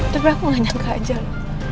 tapi aku gak nyangka aja loh